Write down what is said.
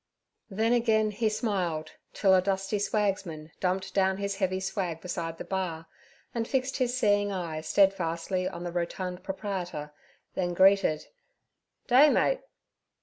Then again he smiled, till a dusty swagsman dumped down his heavy swag beside the bar, and fixed his seeing eye steadfastly on the rotund proprietor, then greeted, 'Day, mate.'